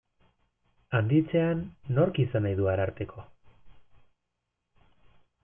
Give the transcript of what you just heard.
Handitzean, nork izan nahi du Ararteko?